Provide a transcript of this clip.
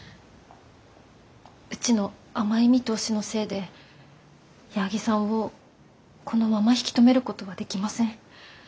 うちの甘い見通しのせいで矢作さんをこのまま引き止めることはできません。